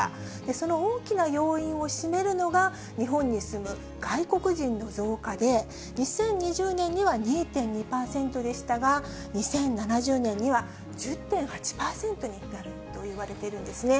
その大きな要因を占めるのが、日本に住む外国人の増加で、２０２０年には２．２％でしたが、２０７０年には１０．８％になるといわれているんですね。